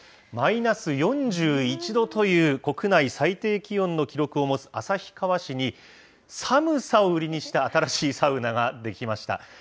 マイナス４１度という国内最低気温の記録を持つ旭川市に、寒さを売りにした新しいサウナが出来ました。